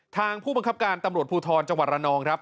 ผู้บังคับการตำรวจภูทรจังหวัดระนองครับ